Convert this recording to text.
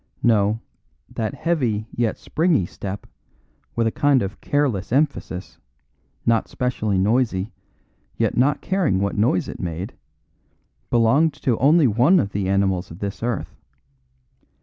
No; that heavy yet springy step, with a kind of careless emphasis, not specially noisy, yet not caring what noise it made, belonged to only one of the animals of this earth.